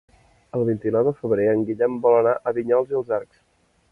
El vint-i-nou de febrer en Guillem vol anar a Vinyols i els Arcs.